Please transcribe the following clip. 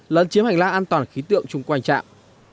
lân chiếm hành lang an toàn khí tượng chung quanh chạm